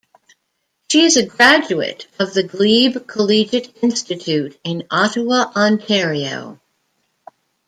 She is a graduate of the Glebe Collegiate Institute in Ottawa, Ontario.